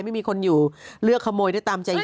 ไม่มีคนอยู่เลือกขโมยได้ตามใจ